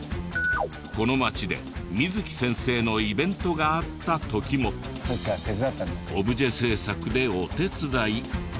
この町で水木先生のイベントがあった時もオブジェ制作でお手伝い。